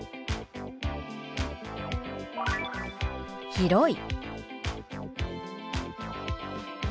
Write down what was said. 「広い」。